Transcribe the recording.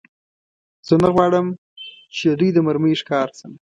زه نه غواړم، چې د دوی د مرمۍ ښکار شم.